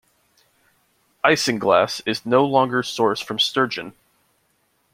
Isinglass is no longer sourced from sturgeon.